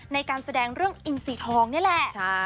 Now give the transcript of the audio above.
ในการแสดงเรื่องอินซีทองนี่แหละ